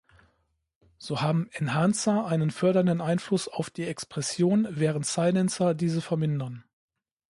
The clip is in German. So haben "Enhancer" einen fördernden Einfluss auf die Expression, während "Silencer" diese vermindern.